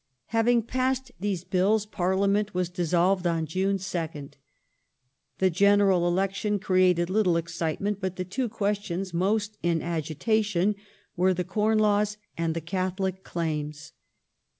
Having passed these Bills Parliament was dissolved on June 2nd. The General Election created little excitement, but the two questions most in agitation were the Corn Laws and the Catholic claims.